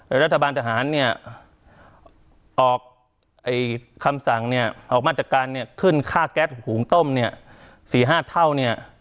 รัฐบาลทหารเนี่ยออกคำสั่งเนี่ยออกมาตรการเนี่ยขึ้นค่าแก๊สหุงต้มเนี่ย๔๕เท่าเนี่ย